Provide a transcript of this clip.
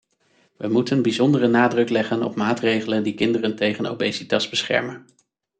We moeten bijzondere nadruk leggen op maatregelen die kinderen tegen obesitas beschermen.